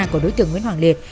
của đối tượng nguyễn hoàng liệt